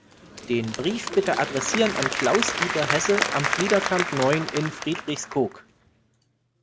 Den Brief bitte adressieren an Klaus-Dieter Hesse, Am Fliederkamp neun in Friedrichskoog.